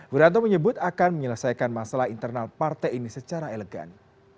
wiranto menyebut akan menyelesaikan masalah internal partai ini secara elegan